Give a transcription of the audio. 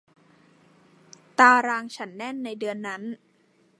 ตารางฉันแน่นในเดือนนั้น